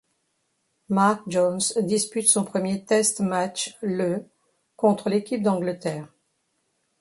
Mark Jones dispute son premier test match le contre l'équipe d'Angleterre.